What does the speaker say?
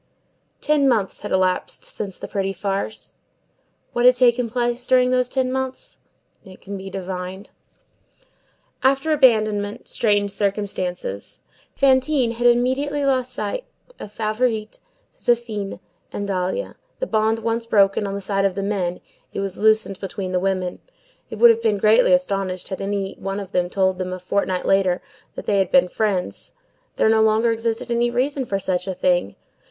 Ten months had elapsed since the "pretty farce." What had taken place during those ten months? It can be divined. After abandonment, straightened circumstances. Fantine had immediately lost sight of Favourite, Zéphine and Dahlia; the bond once broken on the side of the men, it was loosed between the women; they would have been greatly astonished had any one told them a fortnight later, that they had been friends; there no longer existed any reason for such a thing.